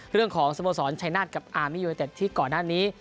เรื่องของสโมสรชัยนาฏกับอาร์มียูเนเต็ดที่ก่อนหน้านี้